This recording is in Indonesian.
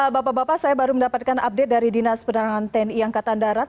bapak bapak saya baru mendapatkan update dari dinas perdagangan tni angkatan darat